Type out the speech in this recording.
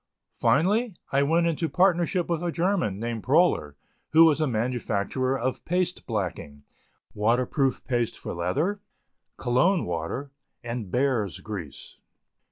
Finally, I went into partnership with a German, named Proler, who was a manufacturer of paste blacking, water proof paste for leather, Cologne water and bear's grease.